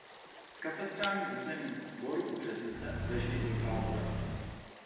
V katastrálním území Bor u Březnice leží i Dobrá Voda.